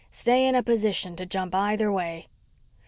Stay in a position to jump either way.